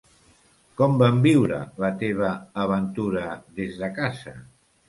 Com van viure la teva "aventura" des de casa?